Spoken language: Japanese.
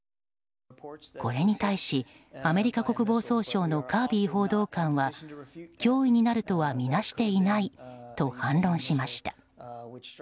これに対し、アメリカ国防総省のカービー報道官は脅威になるとはみなしていないと反論しました。